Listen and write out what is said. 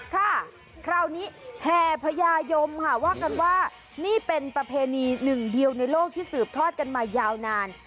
ค่ะคราวนี้แห่พญายมค่ะว่ากันว่านี่เป็นประเพณีหนึ่งเดียวในโลกที่สืบทอดกันมายาวนาน